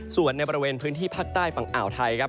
ส่วนในบริเวณพื้นที่ภาคใต้ฝั่งอ่าวไทยครับ